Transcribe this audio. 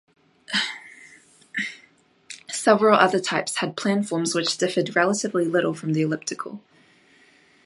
Several other types had planforms which differed relatively little from the elliptical.